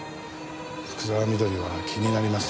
福沢美登里は気になります。